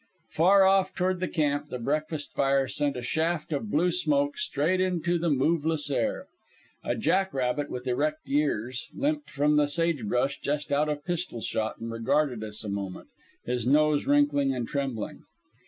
Far off toward the camp the breakfast fire sent a shaft of blue smoke straight into the moveless air. A jack rabbit, with erect ears, limped from the sage brush just out of pistol shot and regarded us a moment, his nose wrinkling and trembling.